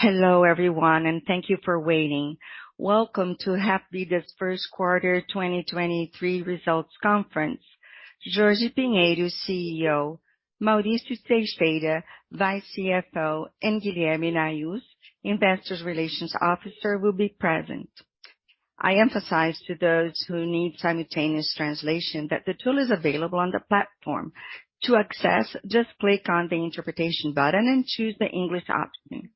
Hello everyone. Thank you for waiting. Welcome to Hapvida's Q1 2023 results conference. Jorge Pinheiro, CEO, Mauricio Teixeira, Vice CFO, and Guilherme Nahuz, Investor Relations Officer will be present. I emphasize to those who need simultaneous translation that the tool is available on the platform. To access, just click on the interpretation button and choose the English option.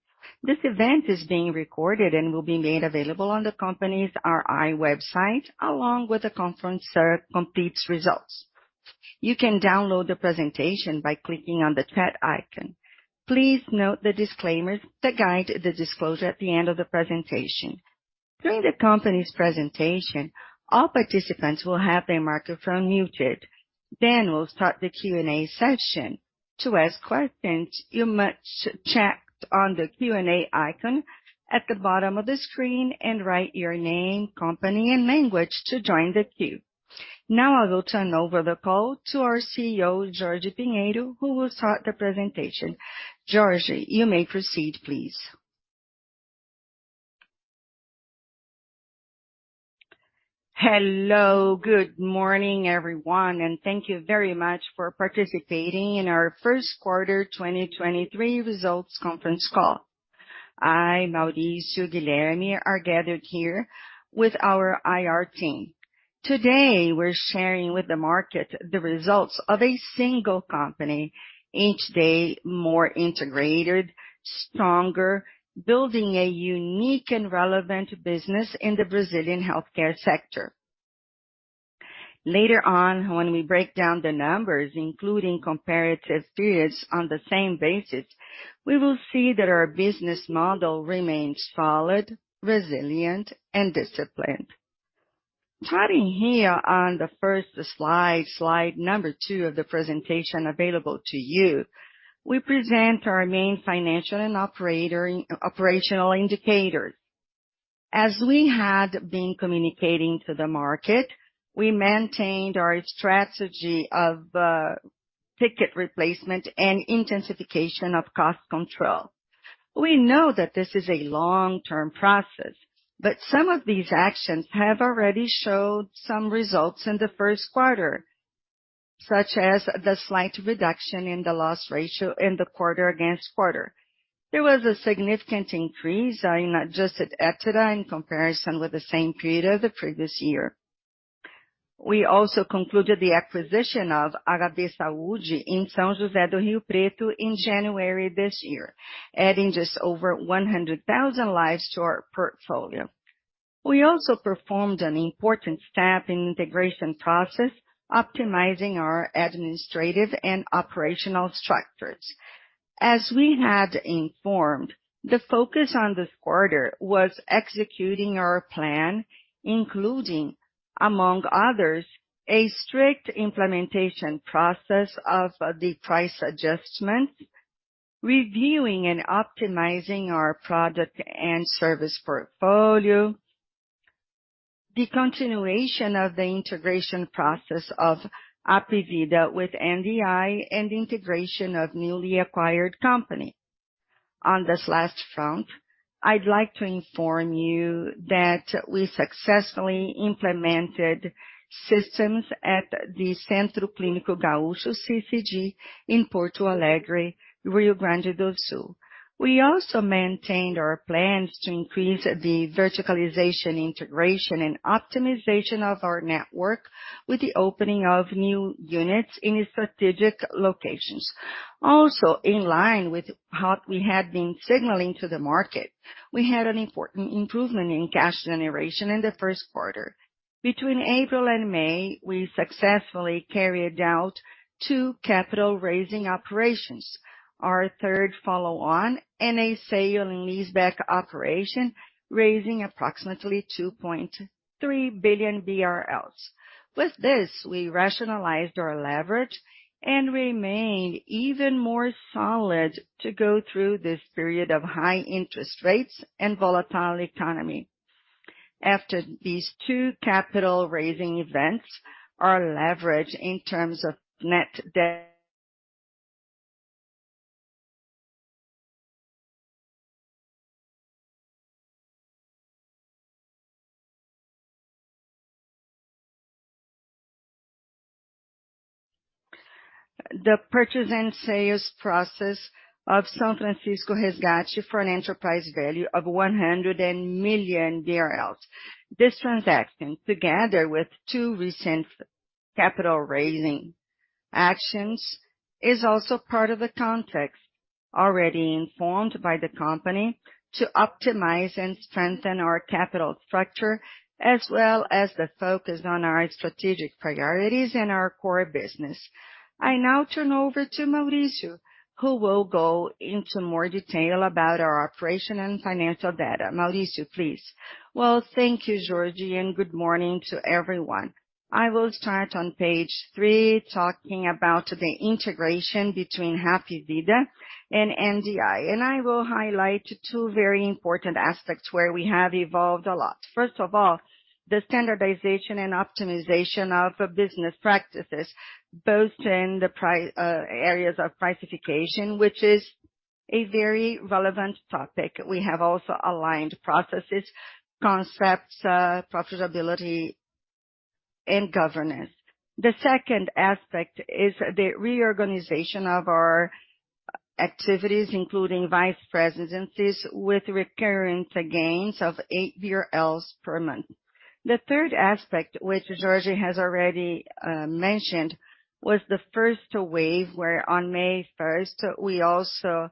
This event is being recorded and will be made available on the company's RI website along with the conference complete results. You can download the presentation by clicking on the chat icon. Please note the disclaimers that guide the disclosure at the end of the presentation. During the company's presentation, all participants will have their microphone muted. We'll start the Q&A session. To ask questions, you must check on the Q&A icon at the bottom of the screen and write your name, company, and language to join the queue. I will turn over the call to our CEO, Jorge Pinheiro, who will start the presentation. Jorge, you may proceed, please. Hello. Good morning, everyone, thank you very much for participating in our Q1 2023 results conference call. I, Mauricio, Guilherme are gathered here with our IR team. Today, we're sharing with the market the results of a single company, each day more integrated, stronger, building a unique and relevant business in the Brazilian healthcare sector. Later on, when we break down the numbers, including comparative periods on the same basis, we will see that our business model remains solid, resilient, and disciplined. Starting here on the first slide number two of the presentation available to you, we present our main financial and operational indicators. As we had been communicating to the market, we maintained our strategy of ticket replacement and intensification of cost control. We know that this is a long-term process, but some of these actions have already showed some results in the Q1, such as the slight reduction in the loss ratio in the quarter against quarter. There was a significant increase in adjusted EBITDA in comparison with the same period of the previous year. We also concluded the acquisition of HB Saúde in São José do Rio Preto in January this year, adding just over 100,000 lives to our portfolio. We also performed an important step in integration process, optimizing our administrative and operational structures. As we had informed, the focus on this quarter was executing our plan, including, among others, a strict implementation process of the price adjustment, reviewing and optimizing our product and service portfolio, the continuation of the integration process of Hapvida with NDI, and integration of newly acquired company. On this last front, I'd like to inform you that we successfully implemented systems at the Centro Clínico Gaúcho, CCG, in Porto Alegre, Rio Grande do Sul. We also maintained our plans to increase the verticalization, integration, and optimization of our network with the opening of new units in strategic locations. In line with what we had been signaling to the market, we had an important improvement in cash generation in the Q1. Between April and May, we successfully carried out 2 capital-raising operations. Our third follow-on and a sale and leaseback operation, raising approximately 2.3 billion BRL. With this, we rationalized our leverage and remained even more solid to go through this period of high interest rates and volatile economy. After these two capital-raising events, our leverage in terms of net The purchase and sales process of São Francisco Resgate for an enterprise value of 100 million. This transaction, together with two recent capital-raising actions, is also part of a context already informed by the company to optimize and strengthen our capital structure, as well as the focus on our strategic priorities and our core business. I now turn over to Mauricio, who will go into more detail about our operation and financial data. Mauricio, please. Well, thank you, Jorge. Good morning to everyone. I will start on page 3 talking about the integration between Hapvida and NDI. I will highlight two very important aspects where we have evolved a lot. First of all, the standardization and optimization of business practices, both in the areas of price fixation, which is a very relevant topic. We have also aligned processes, concepts, profitability and governance. The second aspect is the reorganization of our activities, including vice presidencies, with recurrent gains of 8 BRL per month. The third aspect, which Jorge has already mentioned, was the first wave, where on May 1, we also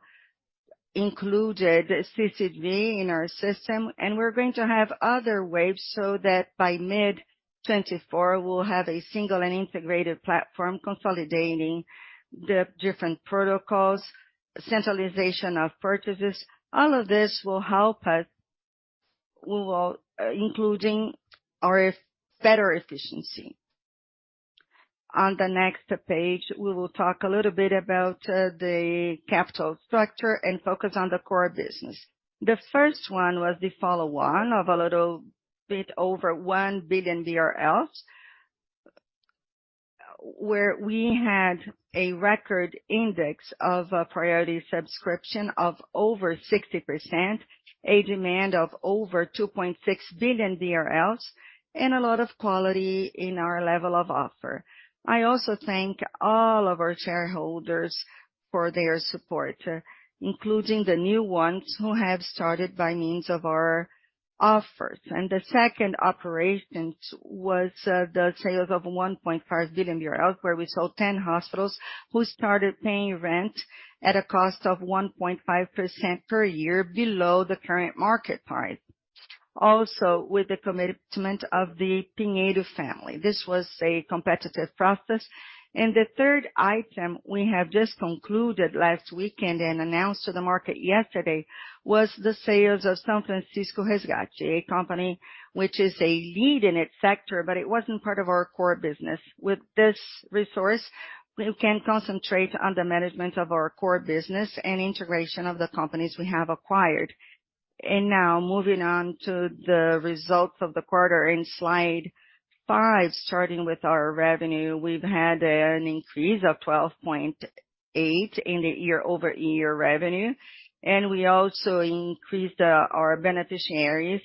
included CCV in our system, and we're going to have other waves, so that by mid-2024, we'll have a single and integrated platform consolidating the different protocols, centralization of purchases. All of this will help us, including our better efficiency. On the next page, we will talk a little bit about the capital structure and focus on the core business. The first one was the follow-on of a little bit over 1 billion, where we had a record index of a priority subscription of over 60%, a demand of over 2.6 billion BRL, and a lot of quality in our level of offer. I also thank all of our shareholders for their support, including the new ones who have started by means of our offers. The second operations was the sales of BRL 1.5 billion, where we sold 10 hospitals, who started paying rent at a cost of 1.5% per year below the current market price. With the commitment of the Pinheiro family. This was a competitive process. The third item we have just concluded last weekend and announced to the market yesterday, was the sales of São Francisco Resgate, a company which is a lead in its sector, but it wasn't part of our core business. With this resource, we can concentrate on the management of our core business and integration of the companies we have acquired. Now moving on to the results of the quarter. In slide 5, starting with our revenue, we've had an increase of 12.8 in the year-over-year revenue. We also increased our beneficiaries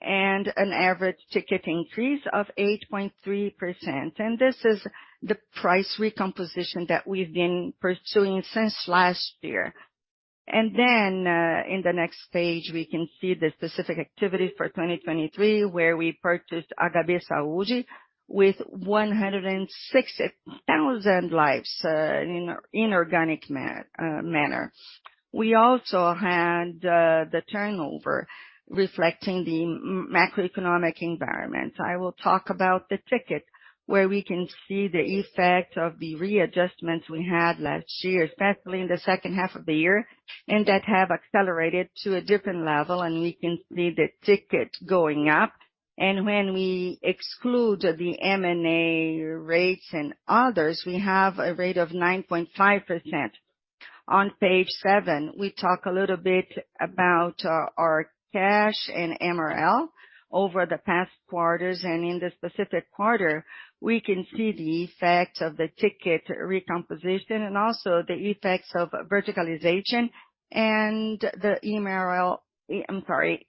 and an average ticket increase of 8.3%. This is the price recomposition that we've been pursuing since last year. Then, in the next page, we can see the specific activity for 2023, where we purchased Grupo HB Saúde with 160,000 lives in inorganic manner. We also had the turnover reflecting the macroeconomic environment. I will talk about the ticket, where we can see the effect of the readjustments we had last year, especially in the second half of the year, and that have accelerated to a different level, and we can see the ticket going up. When we exclude the M&A rates and others, we have a rate of 9.5%. On page 7, we talk a little bit about our cash and MRL over the past quarters. In this specific quarter, we can see the effect of the ticket recomposition and also the effects of verticalization and the MRL I'm sorry,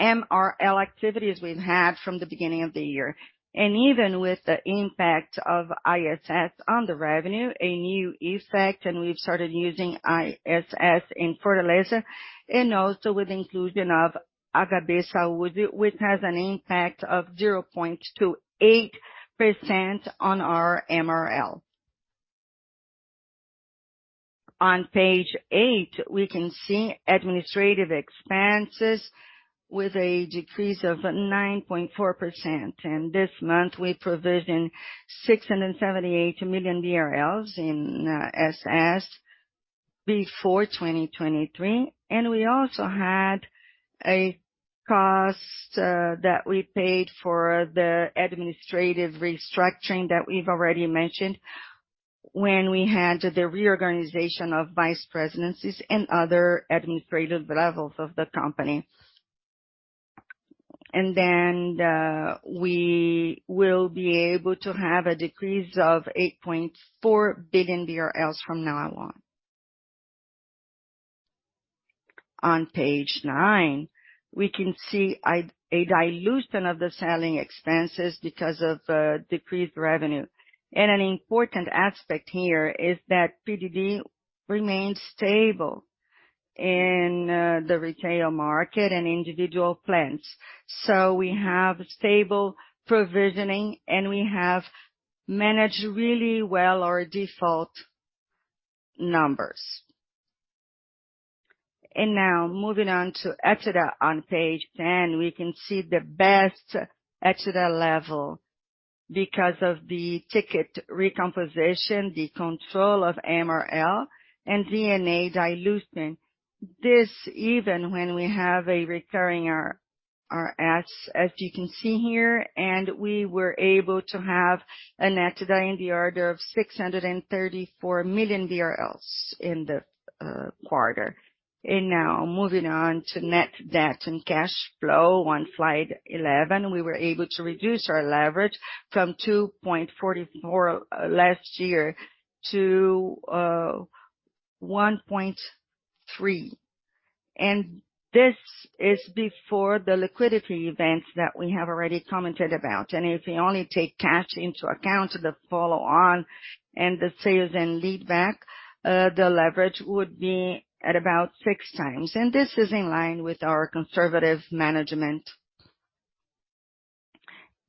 MRL activities we've had from the beginning of the year. Even with the impact of ISS on the revenue, a new effect, and we've started using ISS in Fortaleza, and also with inclusion of HB Saúde, which has an impact of 0.28% on our MRL. On page 8, we can see administrative expenses with a decrease of 9.4%. This month, we provisioned 678 million BRL in SS before 2023. We also had a cost that we paid for the administrative restructuring that we've already mentioned when we had the reorganization of vice presidencies and other administrative levels of the company. We will be able to have a decrease of 8.4 billion BRL from now on. On page 9, we can see a dilution of the selling expenses because of decreased revenue. An important aspect here is that PDD remains stable in the retail market and individual plans. We have stable provisioning, and we have managed really well our default numbers. Now moving on to EBITDA on page 10. We can see the best EBITDA level because of the ticket recomposition, the control of MRL and G&A dilution. This even when we have a recurring RS, as you can see here, and we were able to have a net debt in the order of 634 million BRL in the quarter. Now moving on to net debt and cash flow. On slide 11, we were able to reduce our leverage from 2.44 last year to 1.3. This is before the liquidity events that we have already commented about. If we only take cash into account, the follow-on and the sales and leaseback, the leverage would be at about six times. This is in line with our conservative management.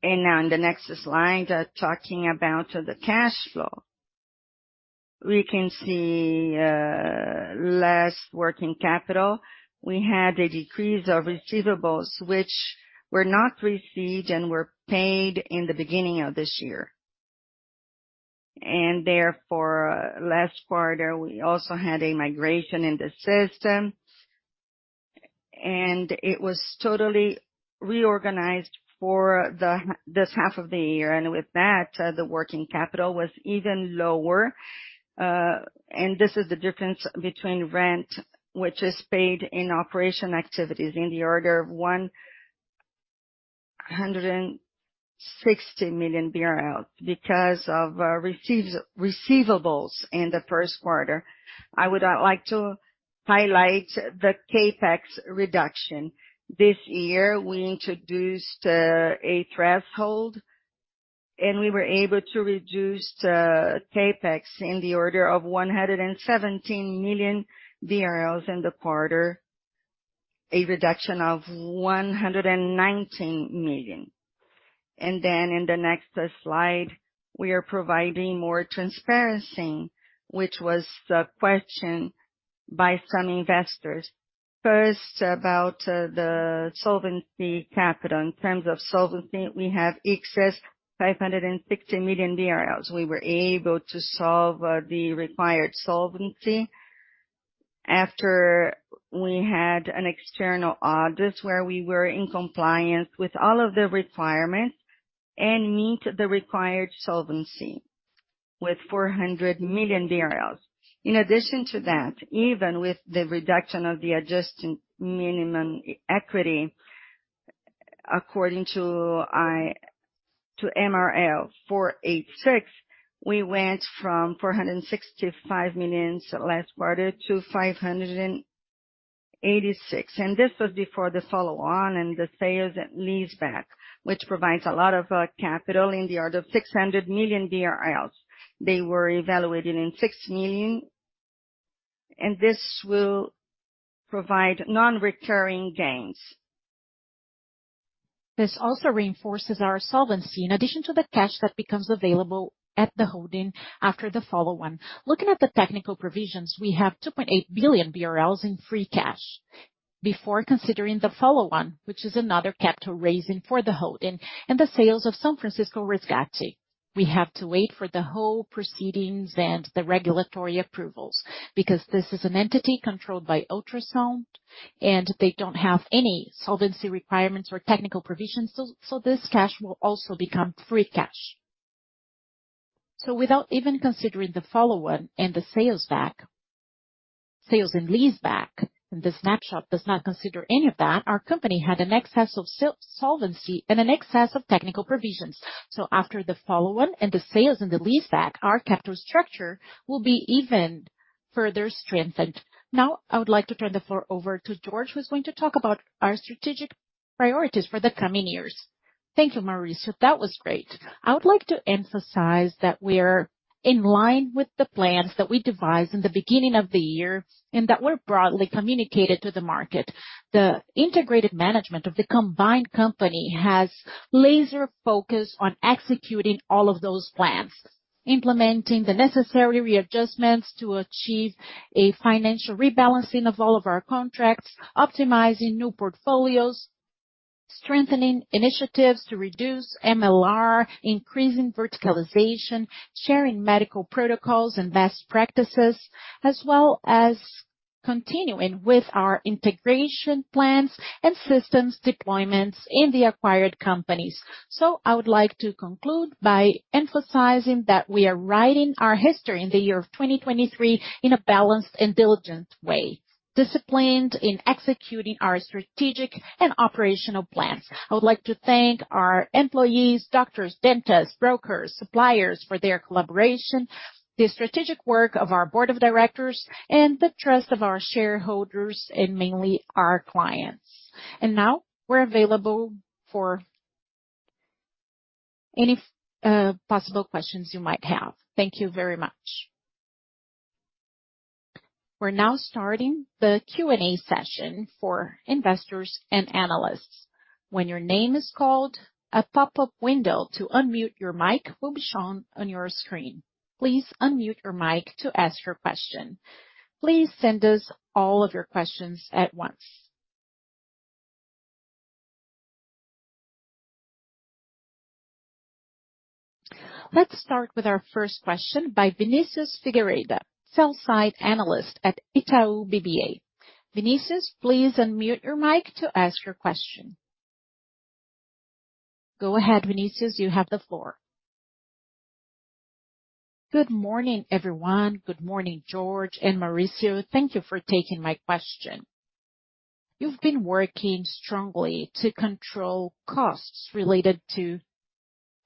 On the next slide, talking about the cash flow. We can see less working capital. We had a decrease of receivables which were not received and were paid in the beginning of this year. Therefore, last quarter we also had a migration in the system and it was totally reorganized for this half of the year. With that, the working capital was even lower. This is the difference between rent, which is paid in operation activities in the order of BRL 160 million because of receivables in the Q1. I would like to highlight the CapEx reduction. This year we introduced a threshold and we were able to reduce CapEx in the order of 117 million in the quarter, a reduction of 119 million. In the next slide, we are providing more transparency, which was the question by some investors. First, about the solvency capital. In terms of solvency, we have excess 560 million BRL. We were able to solve the required solvency after we had an external audit where we were in compliance with all of the requirements and meet the required solvency with 400 million BRL. In addition to that, even with the reduction of the adjusted minimum equity according to MRL 486, we went from 465 million last quarter to 586. This was before the follow-on and the sales and leaseback, which provides a lot of capital in the order of 600 million BRL. They were evaluated in 6 million, and this will provide non-recurring gains. This also reinforces our solvency in addition to the cash that becomes available at the holding after the follow-on. Looking at the technical provisions, we have 2.8 billion BRL in free cash before considering the follow-on, which is another capital raising for the holding and the sales of São Francisco Resgate. We have to wait for the whole proceedings and the regulatory approvals because this is an entity controlled by [Ultrasound], and they don't have any solvency requirements or technical provisions. This cash will also become free cash. Without even considering the follow-on and the sales and leaseback, and the snapshot does not consider any of that, our company had an excess of solvency and an excess of technical provisions. After the follow-on and the sales and the leaseback, our capital structure will be even further strengthened. I would like to turn the floor over to Jorge, who's going to talk about our strategic priorities for the coming years. Thank you, Maurício. That was great. I would like to emphasize that we're in line with the plans that we devised in the beginning of the year and that were broadly communicated to the market. The integrated management of the combined company has laser focus on executing all of those plans. Implementing the necessary readjustments to achieve a financial rebalancing of all of our contracts. Optimizing new portfolios. Strengthening initiatives to reduce MLR. Increasing verticalization. Sharing medical protocols and best practices. As well as continuing with our integration plans and systems deployments in the acquired companies. I would like to conclude by emphasizing that we are writing our history in the year of 2023 in a balanced and diligent way, disciplined in executing our strategic and operational plans. I would like to thank our employees, doctors, dentists, brokers, suppliers for their collaboration, the strategic work of our board of directors, and the trust of our shareholders, and mainly our clients. Now we're available for any possible questions you might have. Thank you very much. We're now starting the Q&A session for investors and analysts. When your name is called, a pop-up window to unmute your mic will be shown on your screen. Please unmute your mic to ask your question. Please send us all of your questions at once. Let's start with our first question by Vinicius Figueiredo, sell-side analyst at Itaú BBA. Vinicius, please unmute your mic to ask your question. Go ahead, Vinicius, you have the floor. Good morning, everyone. Good morning, Jorge and Mauricio. Thank you for taking my question. You've been working strongly to control costs related to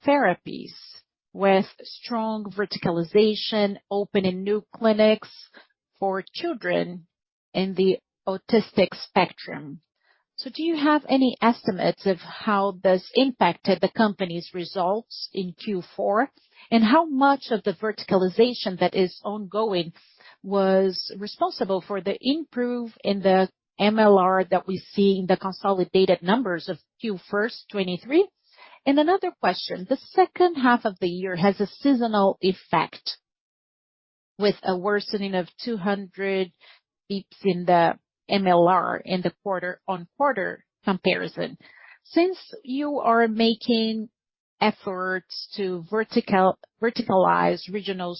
therapies with strong verticalization, opening new clinics for children in the autistic spectrum. Do you have any estimates of how this impacted the company's results in Q4? How much of the verticalization that is ongoing was responsible for the improve in the MLR that we see in the consolidated numbers of Q1 2023? Another question. The second half of the year has a seasonal effect with a worsening of 200 basis points in the MLR in the quarter-on-quarter comparison. Since you are making efforts to verticalize regionals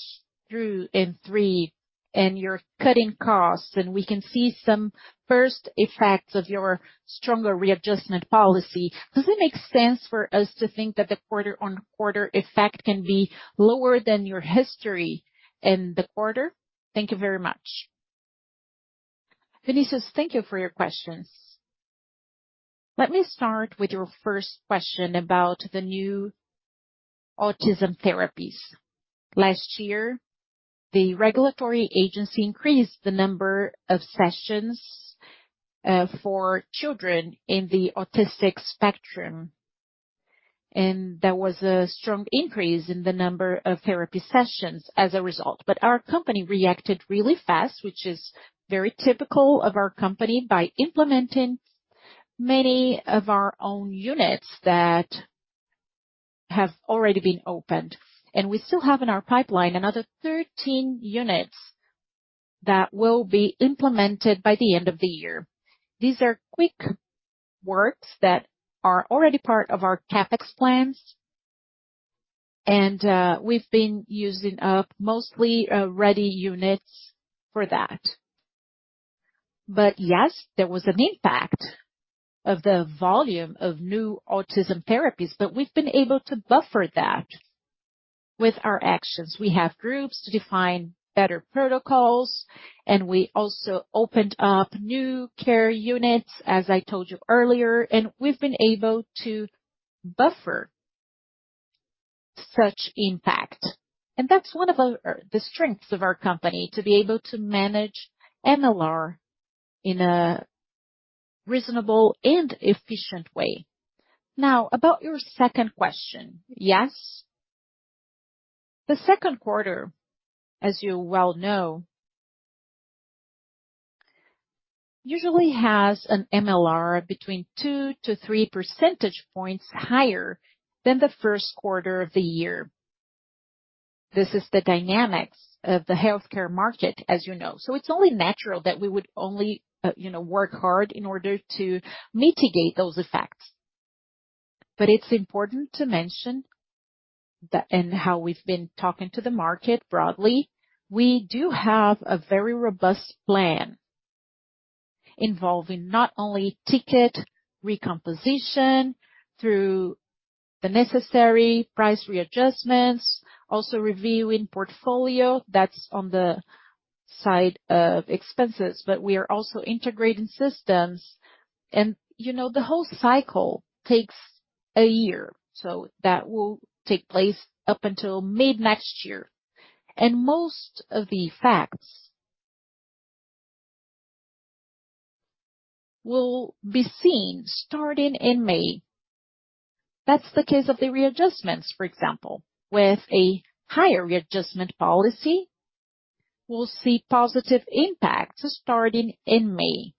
2 and 3, and you're cutting costs, and we can see some first effects of your stronger readjustment policy, does it make sense for us to think that the quarter-on-quarter effect can be lower than your history in the quarter? Thank you very much. Vinicius, thank you for your questions. Let me start with your first question about the new autism therapies. Last year, the regulatory agency increased the number of sessions, for children in the autistic spectrum, and there was a strong increase in the number of therapy sessions as a result. Our company reacted really fast, which is very typical of our company, by implementing many of our own units that have already been opened. We still have in our pipeline another 13 units that will be implemented by the end of the year. These are quick works that are already part of our CapEx plans. We've been using up mostly, ready units for that. Yes, there was an impact of the volume of new autism therapies, but we've been able to buffer that with our actions. We have groups to define better protocols, and we also opened up new care units, as I told you earlier. We've been able to buffer such impact. That's one of our the strengths of our company, to be able to manage MLR in a reasonable and efficient way. About your second question. Yes. The Q2, as you well know, usually has an MLR between 2 to 3 percentage points higher than the Q1 of the year. This is the dynamics of the healthcare market, as you know. It's only natural that we would only, you know, work hard in order to mitigate those effects. It's important to mention that, and how we've been talking to the market broadly, we do have a very robust plan involving not only ticket recomposition through the necessary price readjustments, also reviewing portfolio. That's on the side of expenses. We are also integrating systems. You know, the whole cycle takes a year. That will take place up until mid-next year. Most of the effects will be seen starting in May. That's the case of the readjustments, for example. With a higher readjustment policy, we'll see positive impacts starting in May,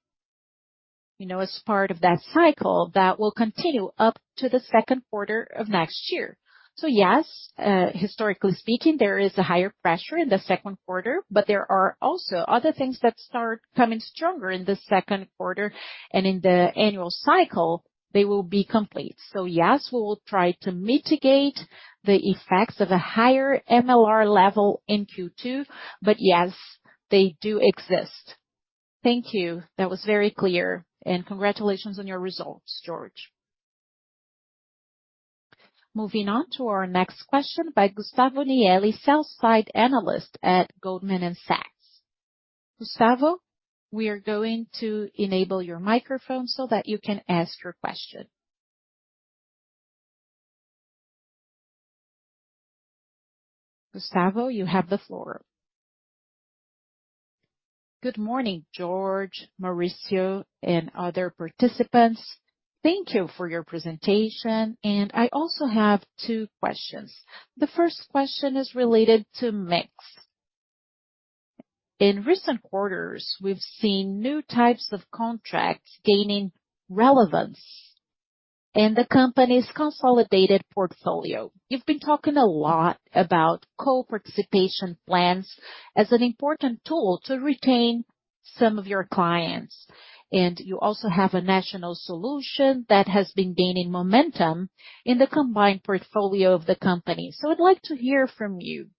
you know, as part of that cycle that will continue up to the Q2 of next year. Yes, historically speaking, there is a higher pressure in the Q2, but there are also other things that start coming stronger in the Q2. In the annual cycle, they will be complete. Yes, we will try to mitigate the effects of a higher MLR level in Q2, but yes, they do exist. Thank you. That was very clear. Congratulations on your results, Jorge. Moving on to our next question by Gustavo Miele, Sell-side Analyst at Goldman Sachs. Gustavo, we are going to enable your microphone so that you can ask your question. Gustavo, you have the floor. Good morning, Jorge, Mauricio, and other participants. Thank you for your presentation. I also have two questions. The first question is related to mix. In recent quarters, we've seen new types of contracts gaining relevance in the company's consolidated portfolio. You've been talking a lot about co-participation plans as an important tool to retain some of your clients. You also have a national solution that has been gaining momentum in the combined portfolio of the company. I'd like to hear from you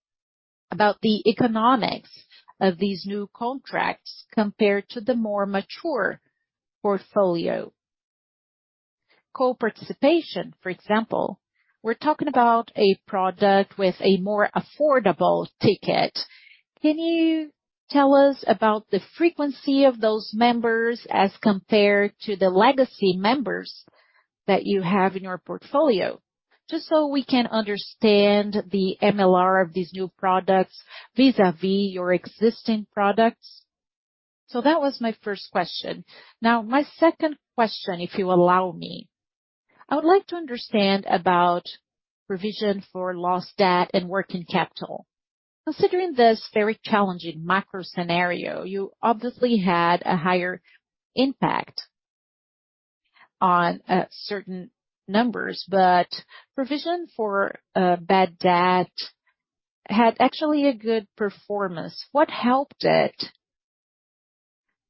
about the economics of these new contracts compared to the more mature portfolio. Co-participation, for example, we're talking about a product with a more affordable ticket. Can you tell us about the frequency of those members as compared to the legacy members that you have in your portfolio? Just so we can understand the MLR of these new products vis-à-vis your existing products. That was my first question. Now, my second question, if you allow me. I would like to understand about provision for lost debt and working capital. Considering this very challenging macro scenario, you obviously had a higher impact on certain numbers, but provision for bad debt had actually a good performance. What helped it?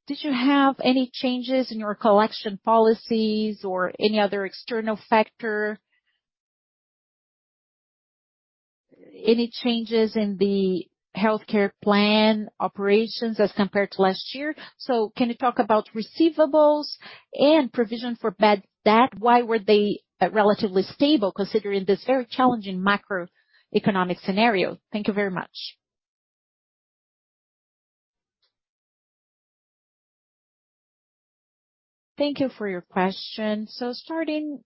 Did you have any changes in your collection policies or any other external factor? Any changes in the healthcare plan operations as compared to last year? Can you talk about receivables and provision for bad debt? Why were they relatively stable, considering this very challenging macroeconomic scenario? Thank you very much. Thank you for your question. Starting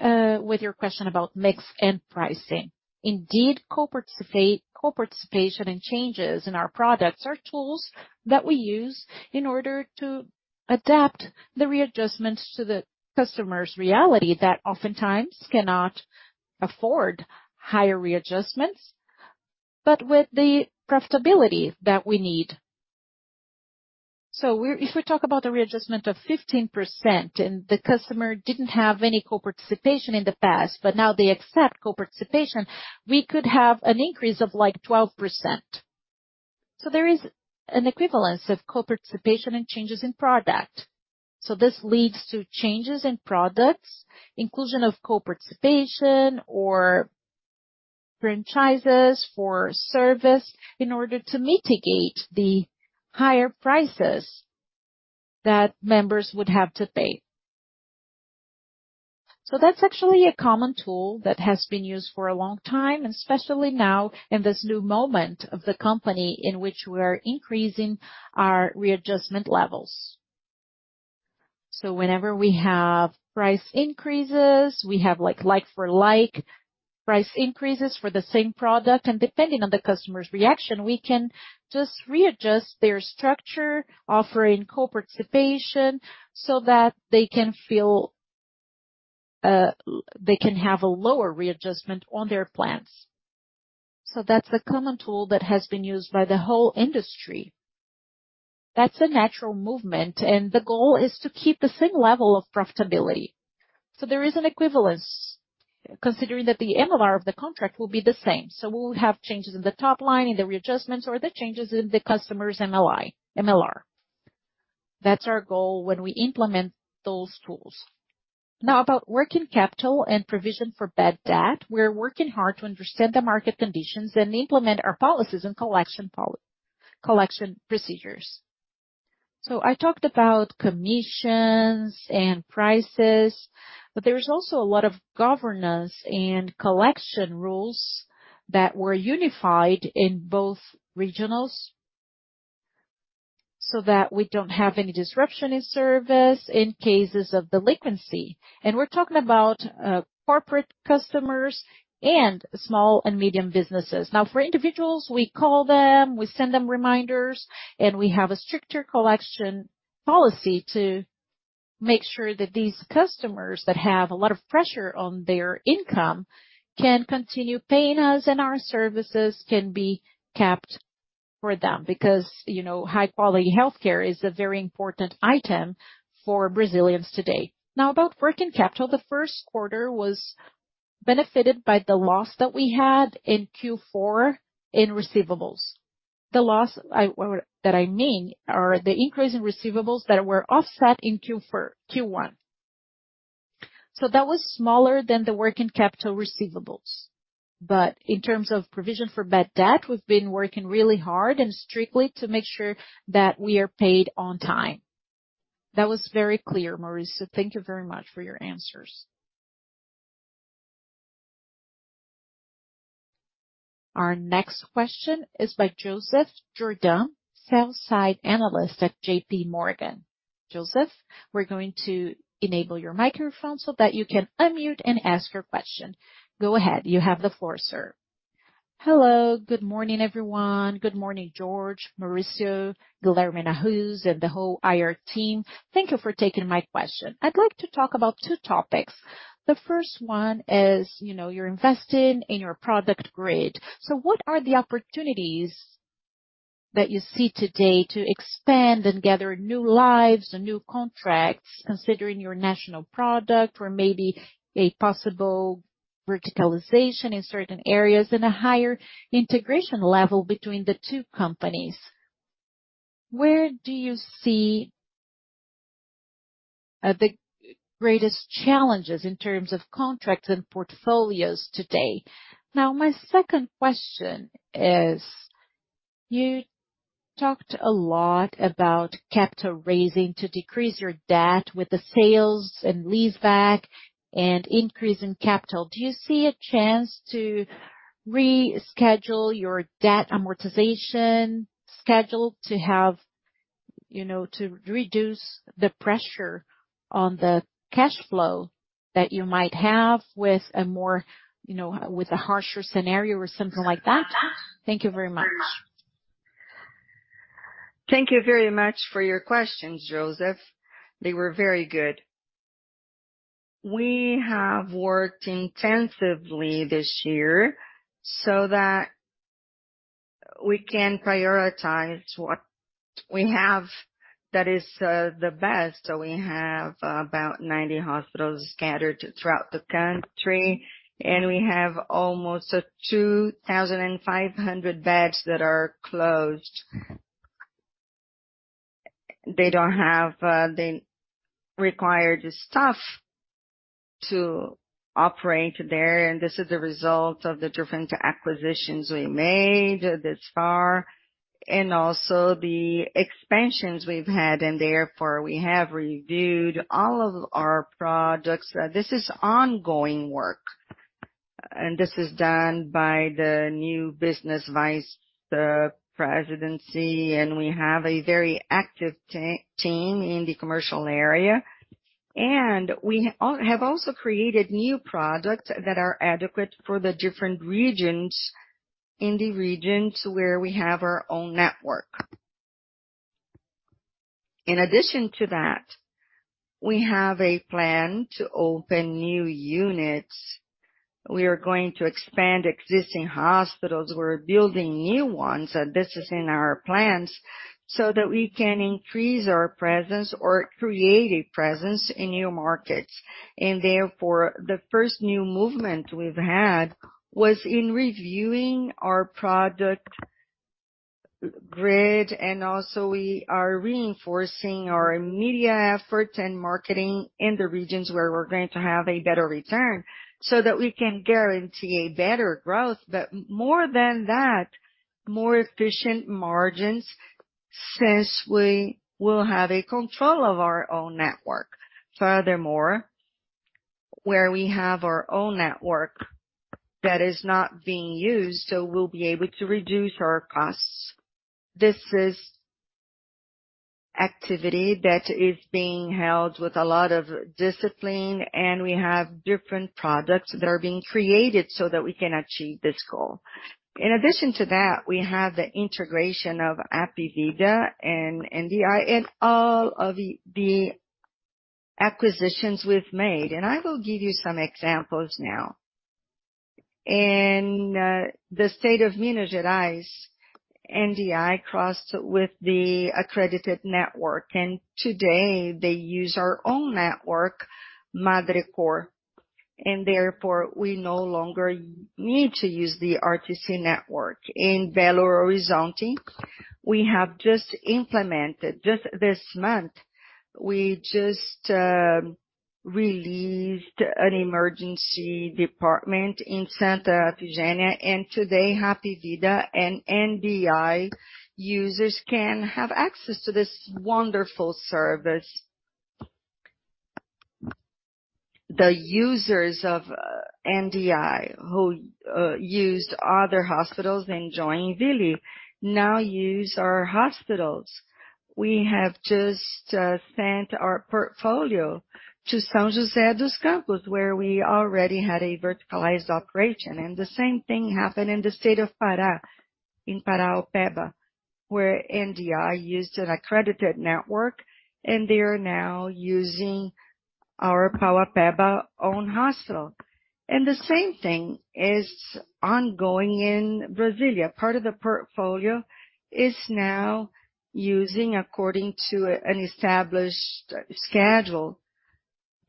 with your question about mix and pricing. Indeed, co-participation and changes in our products are tools that we use in order to adapt the readjustments to the customer's reality that oftentimes cannot afford higher readjustments, but with the profitability that we need. If we talk about the readjustment of 15%, and the customer didn't have any co-participation in the past, but now they accept co-participation, we could have an increase of, like, 12%. There is an equivalence of co-participation and changes in product. This leads to changes in products, inclusion of co-participation or franchises for service in order to mitigate the higher prices that members would have to pay. That's actually a common tool that has been used for a long time, and especially now in this new moment of the company in which we're increasing our readjustment levels. Whenever we have price increases, we have like for like, price increases for the same product, and depending on the customer's reaction, we can just readjust their structure, offering co-participation so that they can feel, they can have a lower readjustment on their plans. That's a common tool that has been used by the whole industry. That's a natural movement, and the goal is to keep the same level of profitability. There is an equivalence, considering that the MLR of the contract will be the same. We'll have changes in the top line, in the readjustments or the changes in the customer's MLR. That's our goal when we implement those tools. About working capital and provision for bad debt, we're working hard to understand the market conditions and implement our policies and collection procedures. I talked about commissions and prices, but there is also a lot of governance and collection rules that were unified in both regionals, so that we don't have any disruption in service in cases of delinquency. We're talking about corporate customers and small and medium businesses. For individuals, we call them, we send them reminders, and we have a stricter collection policy to make sure that these customers that have a lot of pressure on their income can continue paying us, and our services can be kept for them. You know, high-quality health care is a very important item for Brazilians today. About working capital, the Q1 was benefited by the loss that we had in Q4 in receivables. The loss I mean are the increase in receivables that were offset in Q1. That was smaller than the working capital receivables. In terms of provision for bad debt, we've been working really hard and strictly to make sure that we are paid on time. That was very clear, Mauricio. Thank you very much for your answers. Our next question is by Joseph Giordano, sell-side analyst at JPMorgan. Joseph, we're going to enable your microphone so that you can unmute and ask your question. Go ahead. You have the floor, sir. Hello. Good morning, everyone. Good morning, Jorge, Mauricio, Guilherme, Nahuz, and the whole IR team. Thank you for taking my question. I'd like to talk about 2 topics. The first one is, you know, you're investing in your product grid. What are the opportunities that you see today to expand and gather new lives and new contracts, considering your national product or maybe a possible verticalization in certain areas and a higher integration level between the two companies? Where do you see the greatest challenges in terms of contracts and portfolios today? My second question is. You talked a lot about capital raising to decrease your debt with the sales and lease back and increase in capital. Do you see a chance to reschedule your debt amortization schedule to have, you know, to reduce the pressure on the cash flow that you might have with a more, you know, with a harsher scenario or something like that? Thank you very much. Thank you very much for your questions, Joseph. They were very good. We have worked intensively this year so that we can prioritize what we have that is the best. We have about 90 hospitals scattered throughout the country, and we have almost 2,500 beds that are closed. They don't have the required stuff to operate there, this is a result of the different acquisitions we made this far, and also the expansions we've had. We have reviewed all of our products. This is ongoing work, and this is done by the new business vice presidency. We have a very active team in the commercial area. We have also created new products that are adequate for the different regions, in the regions where we have our own network. In addition to that, we have a plan to open new units. We are going to expand existing hospitals. We're building new ones. This is in our plans so that we can increase our presence or create a presence in new markets. Therefore, the first new movement we've had was in reviewing our product grid. Also we are reinforcing our media efforts and marketing in the regions where we're going to have a better return so that we can guarantee a better growth. More than that, more efficient margins since we will have a control of our own network. Furthermore, where we have our own network that is not being used, so we'll be able to reduce our costs. This is activity that is being held with a lot of discipline, and we have different products that are being created so that we can achieve this goal. In addition to that, we have the integration of Hapvida and NDI and all of the acquisitions we've made. I will give you some examples now. In the state of Minas Gerais, NDI crossed with the accredited network, and today they use our own network, Madrecor. Therefore, we no longer need to use the RTC network. In Belo Horizonte, we have just implemented, just this month, we just released an emergency department in Santa Efigênia, today, Hapvida and NDI users can have access to this wonderful service. The users of NDI who used other hospitals in Joinville now use our hospitals. We have just sent our portfolio to São José dos Campos, where we already had a verticalized operation. The same thing happened in the state of Pará, in Parauapebas, where NDI used an accredited network. They are now using our Parauapebas own hospital. The same thing is ongoing in Brasília. Part of the portfolio is now using according to an established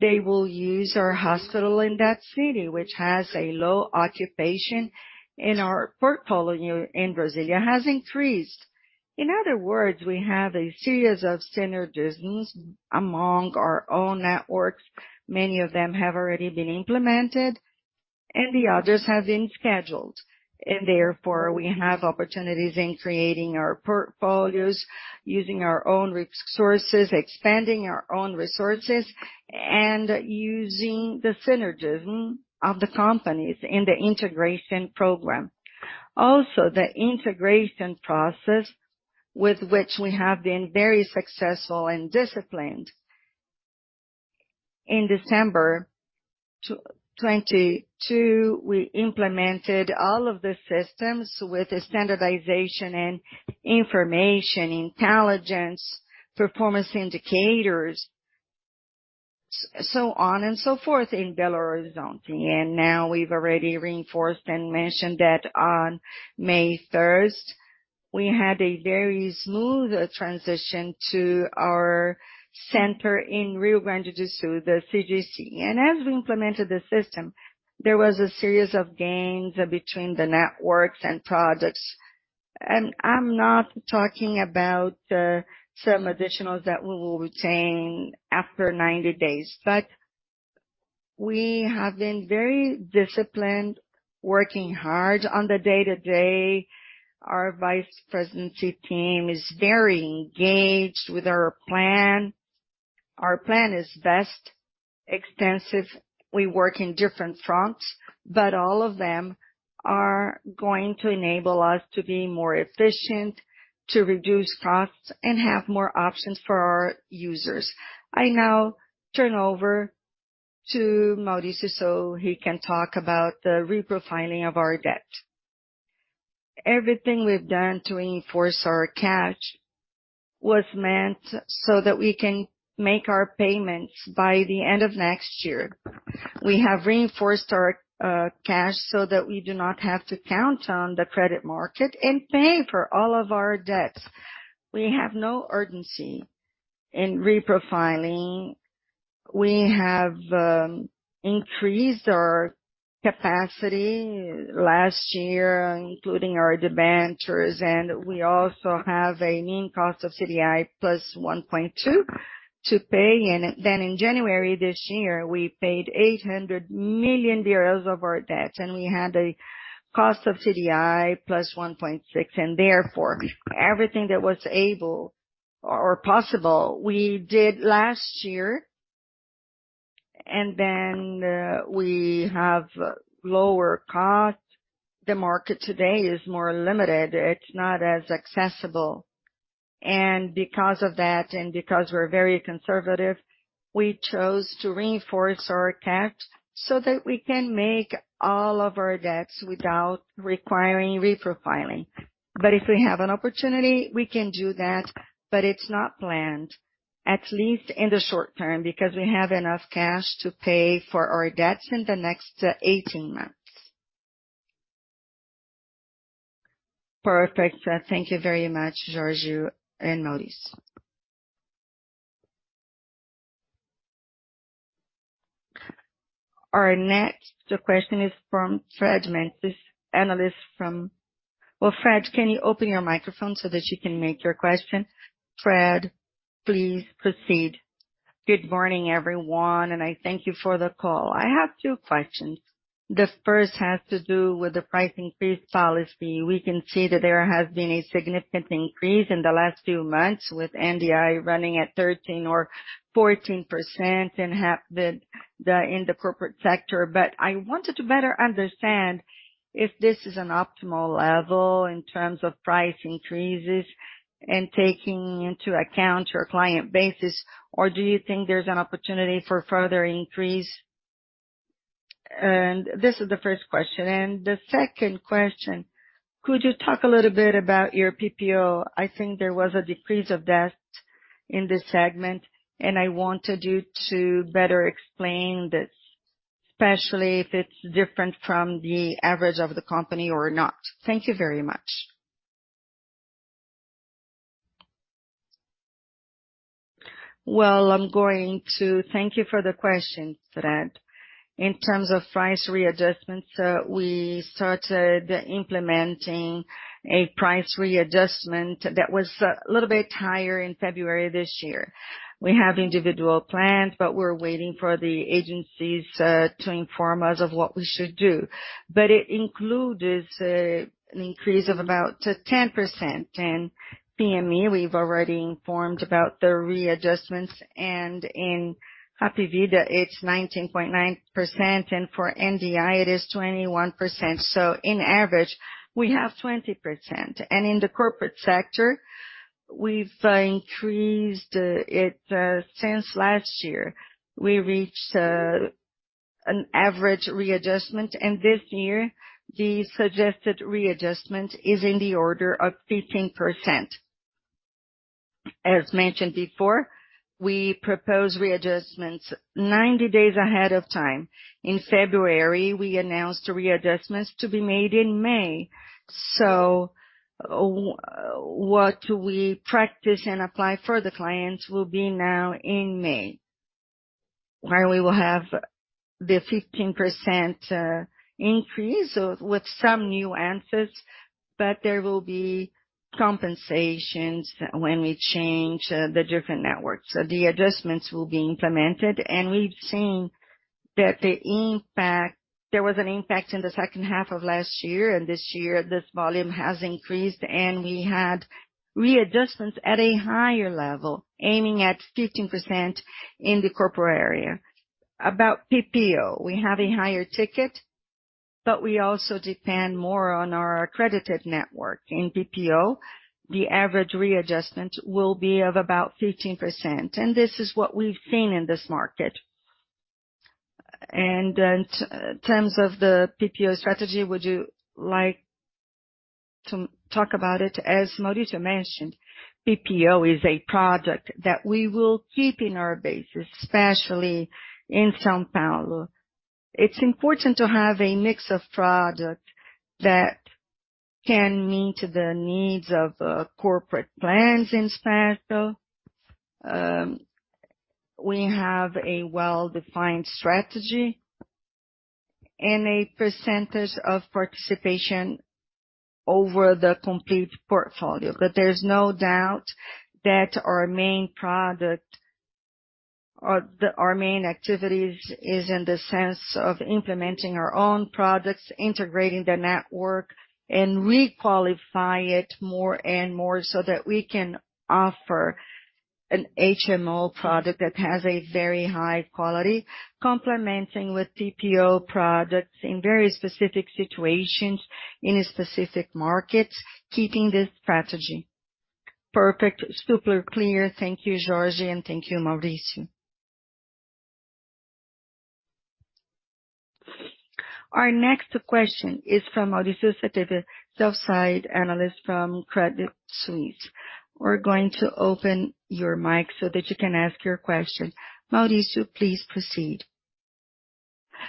schedule. They will use our hospital in that city, which has a low occupation. Our portfolio in Brasília has increased. In other words, we have a series of synergisms among our own networks. Many of them have already been implemented. The others have been scheduled. Therefore, we have opportunities in creating our portfolios, using our own resources, expanding our own resources, and using the synergism of the companies in the integration program. Also, the integration process with which we have been very successful and disciplined. In December 2022, we implemented all of the systems with standardization and information, intelligence, performance indicators, so on and so forth in Belo Horizonte. Now we've already reinforced and mentioned that on May 3rd, we had a very smooth transition to our center in Rio Grande do Sul, the CCG. As we implemented the system, there was a series of gains between the networks and products. I'm not talking about some additionals that we will retain after 90 days. We have been very disciplined, working hard on the day-to-day. Our vice presidency team is very engaged with our plan. Our plan is best, extensive. We work in different fronts, but all of them are going to enable us to be more efficient, to reduce costs, and have more options for our users. I now turn over to Mauricio, so he can talk about the reprofiling of our debt. Everything we've done to enforce our cash was meant so that we can make our payments by the end of next year. We have reinforced our cash so that we do not have to count on the credit market and pay for all of our debts. We have no urgency in reprofiling. We have increased our capacity last year, including our debentures, and we also have a mean cost of CDI plus 1.2 to pay. Then in January this year, we paid BRL 800 million of our debt, and we had a cost of CDI plus 1.6. Therefore, everything that was able or possible, we did last year. Then we have lower cost. The market today is more limited. It's not as accessible. Because of that, and because we're very conservative, we chose to reinforce our cash so that we can make all of our debts without requiring reprofiling. If we have an opportunity, we can do that, but it's not planned, at least in the short term, because we have enough cash to pay for our debts in the next 18 months. Perfect. Thank you very much, Jorge and Mauricio. Our next question is from Fred Mendes. Well, Fred, can you open your microphone so that you can make your question? Fred, please proceed. Good morning, everyone, and I thank you for the call. I have 2 questions. The first has to do with the price increase policy. We can see that there has been a significant increase in the last few months with NDI running at 13% or 14% and half the in the corporate sector. I wanted to better understand if this is an optimal level in terms of price increases and taking into account your client base. Do you think there's an opportunity for further increase? This is the first question. The second question, could you talk a little bit about your PPO? I think there was a decrease of debt in this segment, and I wanted you to better explain this, especially if it's different from the average of the company or not. Thank you very much. Well, I'm going to thank you for the question, Fred. In terms of price readjustments, we started implementing a price readjustment that was a little bit higher in February this year. We have individual plans, but we're waiting for the agencies to inform us of what we should do. It includes an increase of about 10%. PME, we've already informed about the readjustments, and in Hapvida, it's 19.9%, and for NDI, it is 21%. In average, we have 20%. In the corporate sector, we've increased it since last year. We reached an average readjustment, and this year, the suggested readjustment is in the order of 15%. As mentioned before, we propose readjustments 90 days ahead of time. In February, we announced readjustments to be made in May. What we practice and apply for the clients will be now in May, where we will have the 15% increase with some nuances, but there will be compensations when we change the different networks. The adjustments will be implemented, and we've seen that There was an impact in the second half of last year, and this year, this volume has increased, and we had readjustments at a higher level, aiming at 15% in the corporate area. About PPO, we have a higher ticket, but we also depend more on our accredited network. In PPO, the average readjustment will be of about 15%, and this is what we've seen in this market. In terms of the PPO strategy, would you like to talk about it? As Mauricio mentioned, PPO is a product that we will keep in our base, especially in São Paulo. It's important to have a mix of products that can meet the needs of corporate plans in Spectro. We have a well-defined strategy. A percentage of participation over the complete portfolio. There's no doubt that our main product or our main activities is in the sense of implementing our own products, integrating the network, and requalify it more and more so that we can offer an HMO product that has a very high quality, complementing with PPO products in very specific situations, in a specific market, keeping this strategy. Perfect. Super clear. Thank you, Jorge, and thank you, Mauricio. Our next question is from Mauricio Cepeda, Sell-side analyst from Credit Suisse. We're going to open your mic so that you can ask your question. Mauricio, please proceed.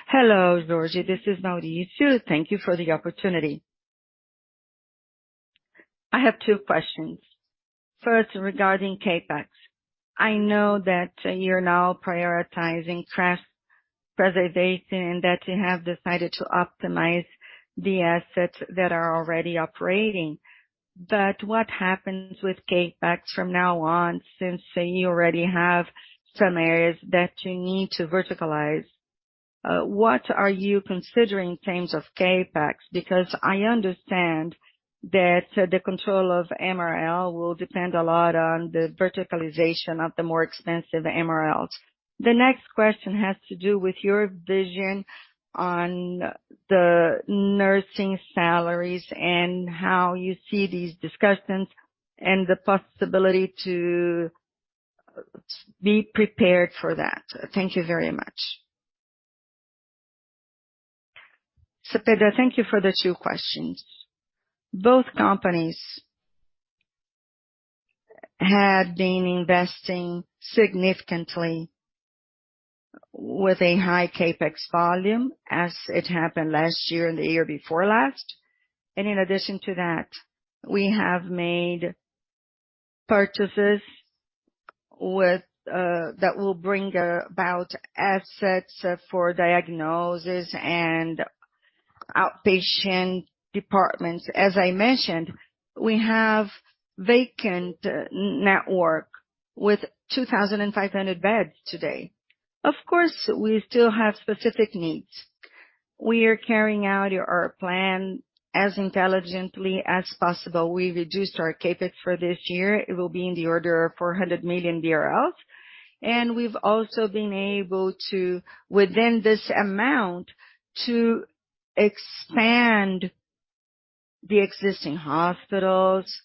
Hello, Jorge. This is Mauricio. Thank you for the opportunity. I have two questions. First, regarding CapEx. I know that you're now prioritizing craft preservation and that you have decided to optimize the assets that are already operating. What happens with CapEx from now on, since you already have some areas that you need to verticalize? What are you considering in terms of CapEx? I understand that the control of MRL will depend a lot on the verticalization of the more expensive MRLs. The next question has to do with your vision on the nursing salaries and how you see these discussions and the possibility to be prepared for that. Thank you very much. Cepeda, thank you for the two questions. Both companies have been investing significantly with a high CapEx volume as it happened last year and the year before last. In addition to that, we have made purchases with that will bring about assets for diagnosis and outpatient departments. As I mentioned, we have vacant network with 2,500 beds today. Of course, we still have specific needs. We are carrying out our plan as intelligently as possible. We reduced our CapEx for this year. It will be in the order of 400 million BRL. We've also been able to, within this amount, to expand the existing hospitals,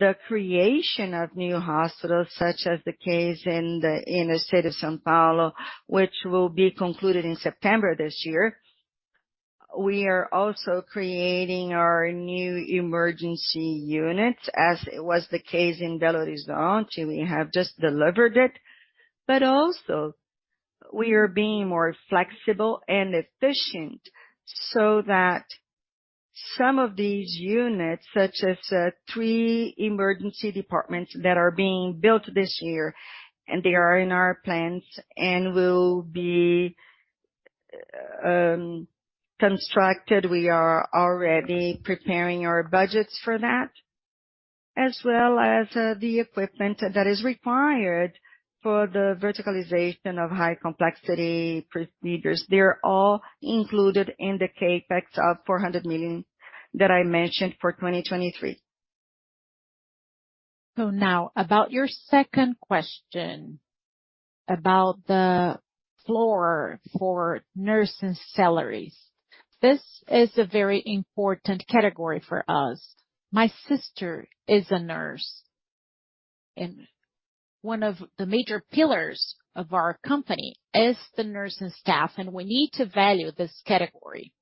the creation of new hospitals, such as the case in the state of São Paulo, which will be concluded in September this year. We are also creating our new emergency units. As it was the case in Belo Horizonte, we have just delivered it. We are being more flexible and efficient so that some of these units, such as, 3 emergency departments that are being built this year, and they are in our plans and will be constructed. We are already preparing our budgets for that, as well as, the equipment that is required for the verticalization of high complexity procedures. They're all included in the CapEx of 400 million that I mentioned for 2023. Now about your second question about the floor for nursing salaries. This is a very important category for us. My sister is a nurse, and one of the major pillars of our company is the nursing staff, and we need to value this category.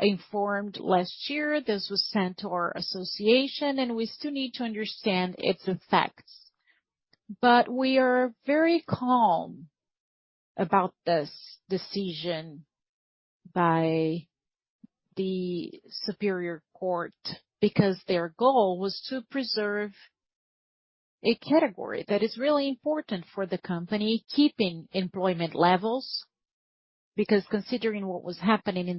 The decision we were informed last year, this was sent to our association, and we still need to understand its effects. We are very calm about this decision by the superior court because their goal was to preserve a category that is really important for the company, keeping employment levels. Considering what was happening in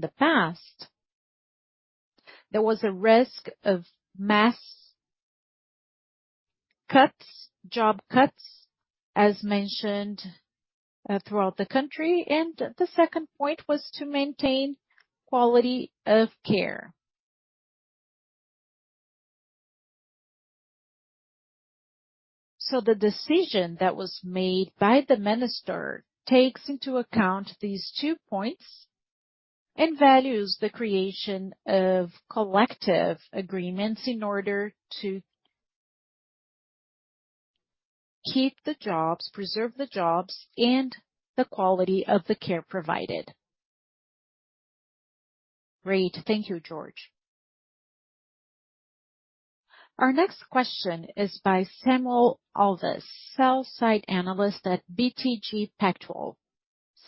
the past, there was a risk of mass cuts, job cuts, as mentioned, throughout the country. The second point was to maintain quality of care. The decision that was made by the minister takes into account these two points and values the creation of collective agreements in order to keep the jobs, preserve the jobs and the quality of the care provided. Great. Thank you, Jorge. Our next question is by Samuel Alves, sell-side analyst at BTG Pactual.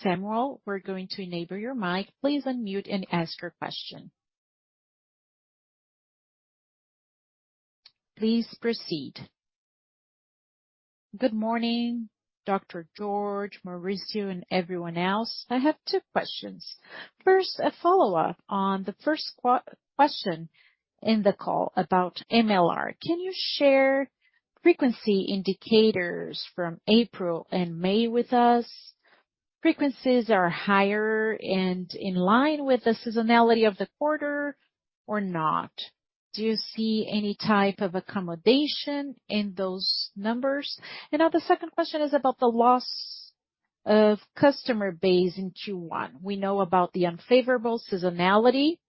Samuel, we're going to enable your mic. Please unmute and ask your question. Please proceed. Good morning, Dr. Jorge, Mauricio, and everyone else. I have two questions. First, a follow-up on the first question in the call about MLR. Can you share frequency indicators from April and May with us? Frequencies are higher and in line with the seasonality of the quarter or not. Do you see any type of accommodation in those numbers? The second question is about the loss of customer base in Q1. We know about the unfavorable seasonality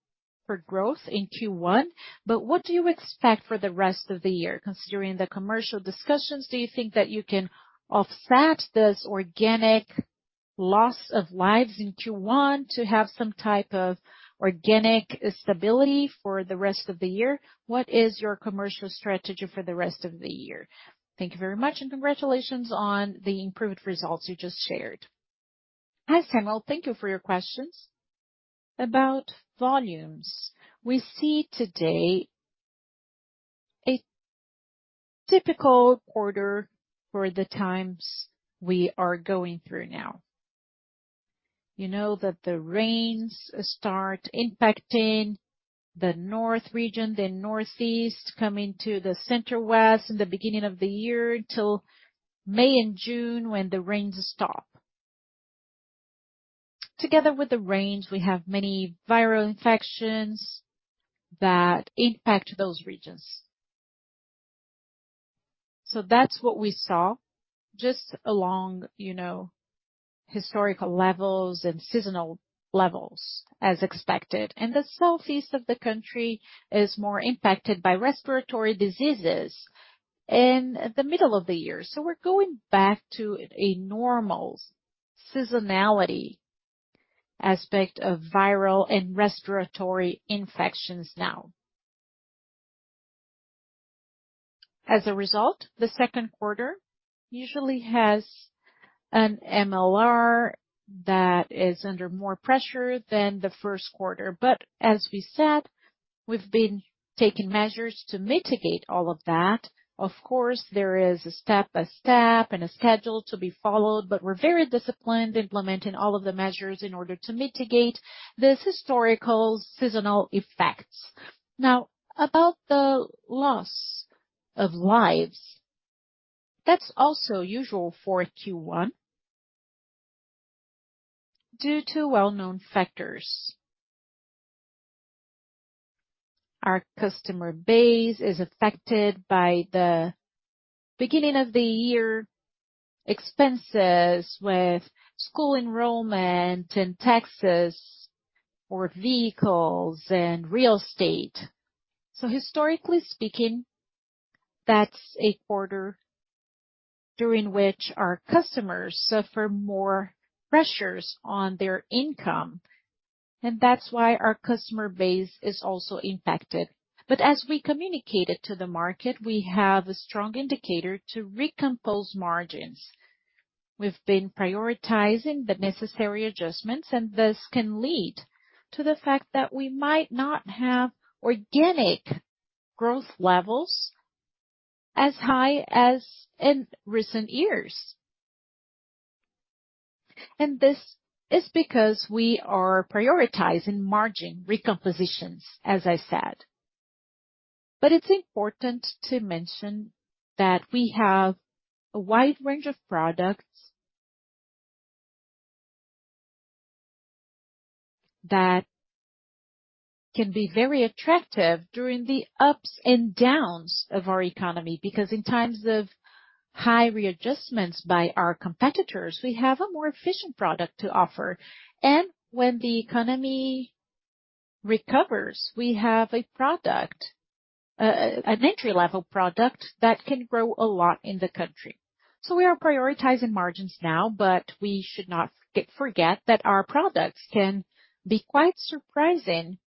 for growth in Q1, but what do you expect for the rest of the year considering the commercial discussions, do you think that you can offset this organic loss of lives in Q1 to have some type of organic stability for the rest of the year? What is your commercial strategy for the rest of the year? Thank you very much, and congratulations on the improved results you just shared. Hi, Samuel. Thank you for your questions. About volumes, we see today a typical quarter for the times we are going through now. You know that the rains start impacting the North region, then Northeast, coming to the Center-West in the beginning of the year till May and June when the rains stop. Together with the rains, we have many viral infections that impact those regions. That's what we saw just along, you know, historical levels and seasonal levels as expected. The southeast of the country is more impacted by respiratory diseases in the middle of the year. We're going back to a normal seasonality aspect of viral and respiratory infections now. As a result, the Q2 usually has an MLR that is under more pressure than the Q1. But as we said, we've been taking measures to mitigate all of that. Of course, there is a step by step and a schedule to be followed, but we're very disciplined implementing all of the measures in order to mitigate this historical seasonal effects. Now, about the loss of lives. That's also usual for Q1 due to well-known factors. Our customer base is affected by the beginning of the year expenses with school enrollment and taxes for vehicles and real estate. Historically speaking, that's a quarter during which our customers suffer more pressures on their income, and that's why our customer base is also impacted. As we communicated to the market, we have a strong indicator to recompose margins. We've been prioritizing the necessary adjustments, and this can lead to the fact that we might not have organic growth levels as high as in recent years. This is because we are prioritizing margin recompositions, as I said. It's important to mention that we have a wide range of products that can be very attractive during the ups and downs of our economy, because in times of high readjustments by our competitors, we have a more efficient product to offer. When the economy recovers, we have a product, an entry-level product that can grow a lot in the country. We are prioritizing margins now, but we should not forget that our products can be quite surprising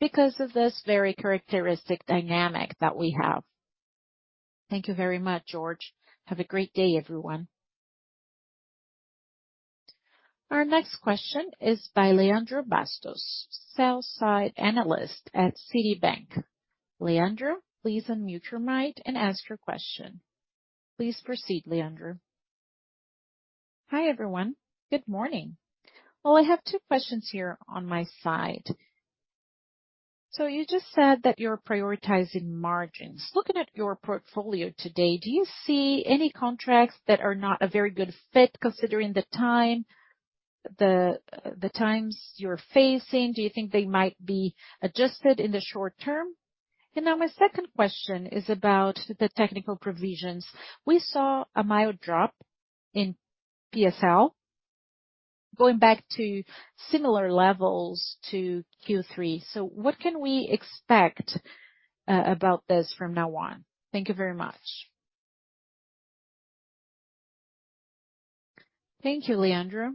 because of this very characteristic dynamic that we have. Thank you very much, Jorge. Have a great day, everyone. Our next question is by Leandro Bastos, sell-side analyst at Citibank. Leandro, please unmute your mic and ask your question. Please proceed, Leandro. Hi, everyone. Good morning. Well, I have 2 questions here on my side. You just said that you're prioritizing margins. Looking at your portfolio today, do you see any contracts that are not a very good fit considering the times you're facing? Do you think they might be adjusted in the short term? Now my second question is about the technical provisions. We saw a mild drop in PSL going back to similar levels to Q3. What can we expect about this from now on? Thank you very much. Thank you, Leandro.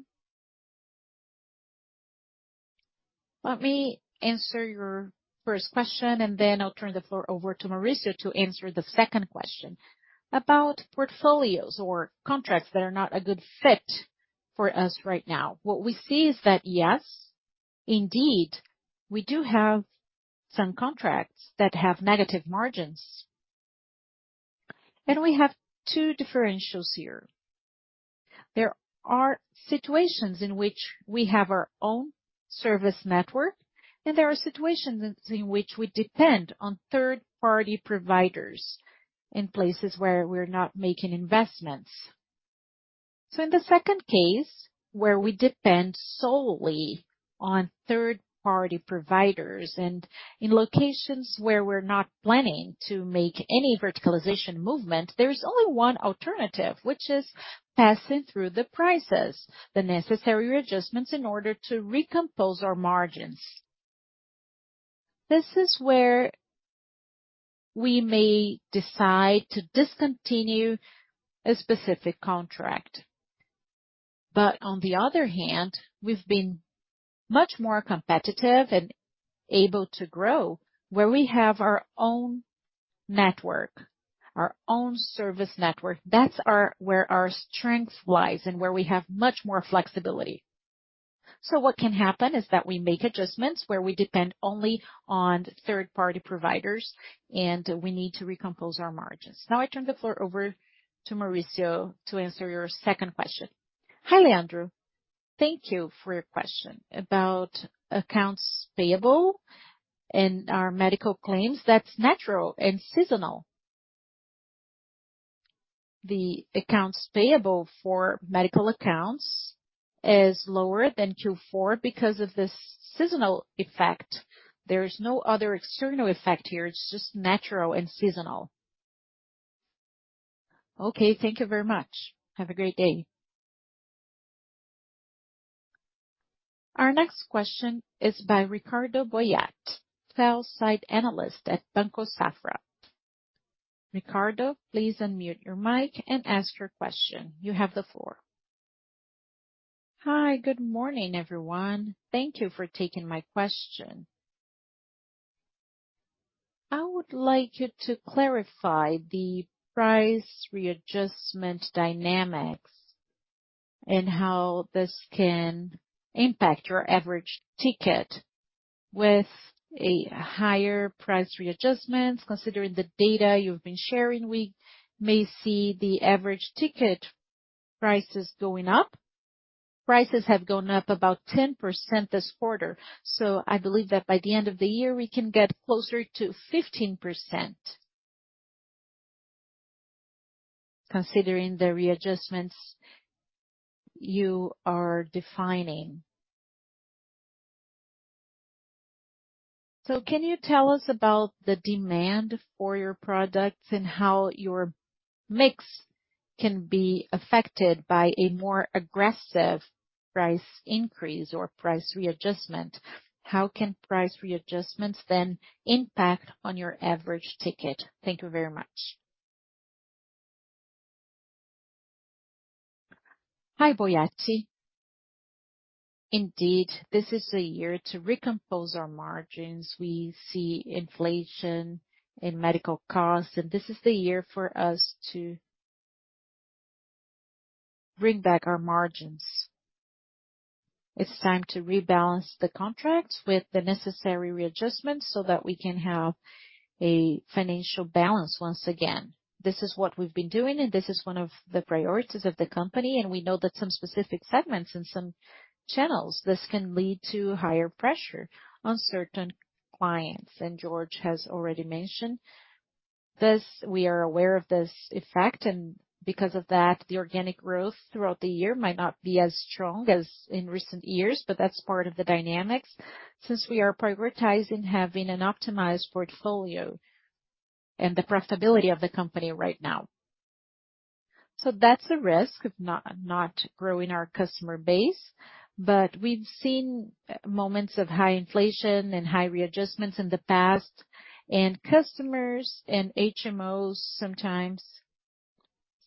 Let me answer your first question, and then I'll turn the floor over to Mauricio to answer the second question. About portfolios or contracts that are not a good fit for us right now. What we see is that, yes, indeed, we do have some contracts that have negative margins. We have two differentials here. There are situations in which we have our own service network, and there are situations in which we depend on third-party providers in places where we're not making investments. In the second case, where we depend solely on third-party providers, and in locations where we're not planning to make any verticalization movement, there is only one alternative, which is passing through the prices, the necessary adjustments in order to recompose our margins. This is where we may decide to discontinue a specific contract. On the other hand, we've been much more competitive and able to grow where we have our own network, our own service network. That's where our strength lies and where we have much more flexibility. What can happen is that we make adjustments where we depend only on third-party providers, and we need to recompose our margins. Now I turn the floor over to Mauricio to answer your second question. Hi, Leandro. Thank you for your question about accounts payable and our medical claims. That's natural and seasonal. The accounts payable for medical accounts is lower than Q4 because of the seasonal effect. There is no other external effect here. It's just natural and seasonal. Okay. Thank you very much. Have a great day. Our next question is by Ricardo Boiati, sell-side analyst at Banco Safra. Ricardo, please unmute your mic and ask your question. You have the floor. Hi. Good morning, everyone. Thank you for taking my question. I would like you to clarify the price readjustment dynamics and how this can impact your average ticket with a higher price readjustment. Considering the data you've been sharing, we may see the average ticket prices going up. Prices have gone up about 10% this quarter. I believe that by the end of the year, we can get closer to 15% considering the readjustments you are defining. Can you tell us about the demand for your products and how your mix can be affected by a more aggressive price increase or price readjustment? How can price readjustments impact on your average ticket? Thank you very much. Hi, Boiati. Indeed, this is the year to recompose our margins. We see inflation in medical costs. This is the year for us to bring back our margins. It's time to rebalance the contracts with the necessary readjustments so that we can have a financial balance once again. This is what we've been doing. This is one of the priorities of the company, and we know that some specific segments and some channels, this can lead to higher pressure on certain clients. Jorge has already mentioned this. We are aware of this effect. Because of that, the organic growth throughout the year might not be as strong as in recent years, but that's part of the dynamics since we are prioritizing having an optimized portfolio and the profitability of the company right now. That's a risk of not growing our customer base. We've seen moments of high inflation and high readjustments in the past. Customers and HMOs sometimes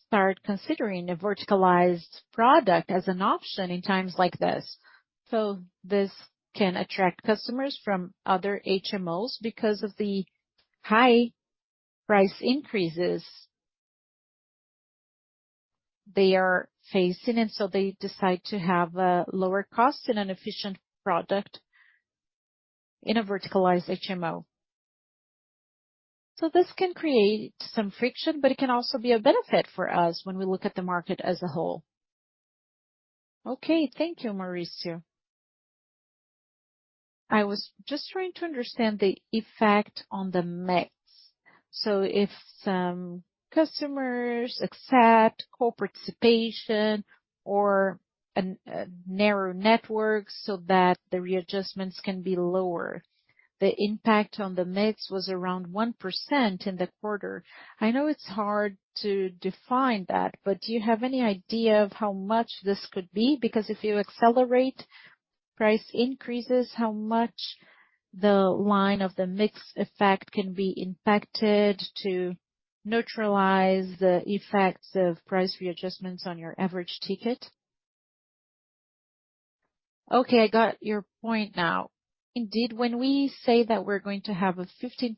start considering a verticalized product as an option in times like this. This can attract customers from other HMOs because of the high price increases they are facing. They decide to have a lower cost and an efficient product in a verticalized HMO. This can create some friction, but it can also be a benefit for us when we look at the market as a whole. Okay. Thank you, Mauricio. I was just trying to understand the effect on the mix. If some customers accept co-participation or a narrow network so that the readjustments can be lower, the impact on the mix was around 1% in the quarter. I know it's hard to define that, but do you have any idea of how much this could be? If you accelerate price increases, how much the line of the mix effect can be impacted to neutralize the effects of price readjustments on your average ticket? Okay, I got your point now. Indeed, when we say that we're going to have a 15%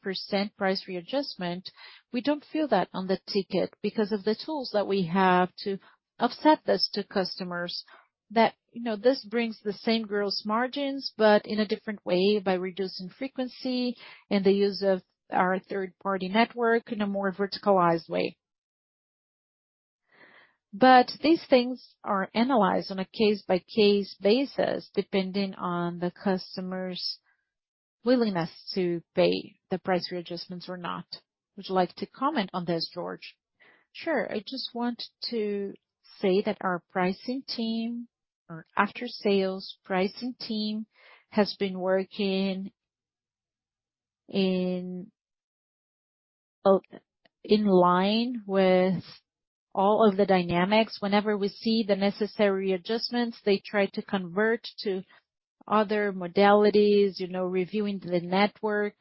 price readjustment, we don't feel that on the ticket because of the tools that we have to offset this to customers that, you know, this brings the same gross margins, but in a different way by reducing frequency and the use of our third-party network in a more verticalized way. These things are analyzed on a case-by-case basis, depending on the customer's willingness to pay the price readjustments or not. Would you like to comment on this, Jorge? Sure. I just want to say that our pricing team, our after-sales pricing team, has been working in line with all of the dynamics. Whenever we see the necessary adjustments, they try to convert to other modalities, you know, reviewing the network.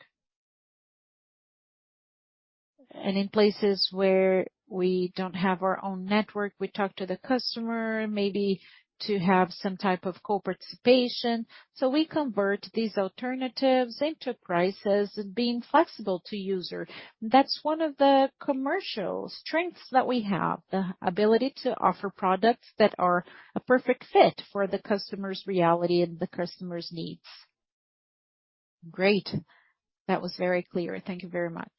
In places where we don't have our own network, we talk to the customer maybe to have some type of co-participation. We convert these alternatives into prices being flexible to user. That's one of the commercial strengths that we have, the ability to offer products that are a perfect fit for the customer's reality and the customer's needs. Great. That was very clear. Thank you very much.